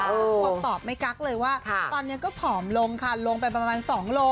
ทุกคนตอบไม่กักเลยว่าตอนนี้ก็ผอมลงค่ะลงไปประมาณ๒โล